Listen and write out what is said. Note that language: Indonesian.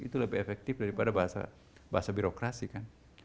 itu lebih efektif daripada bahasa birokrasi kan